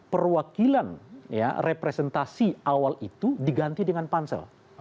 perwakilan ya representasi awal itu diganti dengan pansel